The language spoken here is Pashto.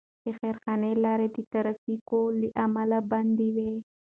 د خیرخانې لاره د ترافیکو له امله بنده وه.